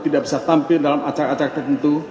tidak bisa tampil dalam acara acara tertentu